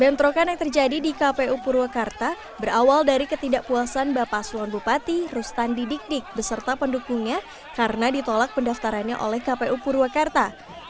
bentrokan yang terjadi di kpu purwakarta berawal dari ketidakpuasan bapak swan bupati rustandi dik dik beserta pendukungnya karena ditolak pendaftarannya oleh kpu purwakarta